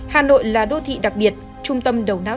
hà nội là đô thị đặc biệt trung tâm đầu não